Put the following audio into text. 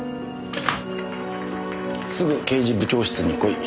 すぐ刑事部長室に来い。